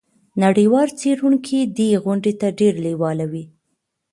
نړیوال څیړونکي دې غونډې ته ډیر لیواله وي.